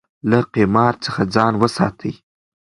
له قمار څخه ځان وساتئ.